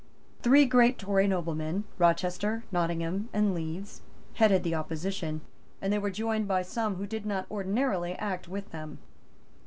Three great Tory noblemen, Rochester, Nottingham and Leeds, headed the opposition; and they were joined by some who did not ordinarily act with them.